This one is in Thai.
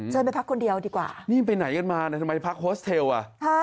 ไปพักคนเดียวดีกว่านี่ไปไหนกันมาทำไมพักโฮสเทลอ่ะ